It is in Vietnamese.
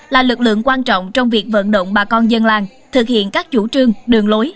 là lực lượng quan trọng trong việc vận động bà con dân làng thực hiện các chủ trương đường lối